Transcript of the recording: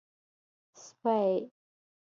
🐕 سپۍ